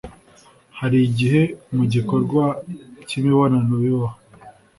hari igihe mu gikorwa cy'imibonano bibaho